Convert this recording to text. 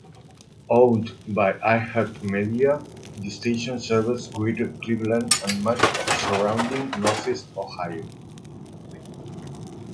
Owned by iHeartMedia, the station serves Greater Cleveland and much of surrounding Northeast Ohio.